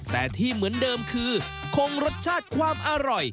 แต่ที่เหมือนเดิมคือคงรสชาติความอร่อย